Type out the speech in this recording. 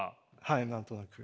はい何となく。